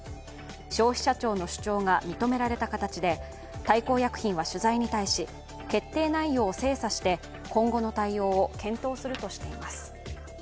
消費者庁の主張が認められた形で、大幸薬品は取材に対し、決定内容を精査して今後の対応を検討するとしています。